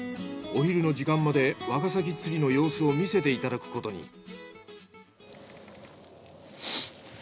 お昼の時間までワカサギ釣りの様子を見せていただくことに。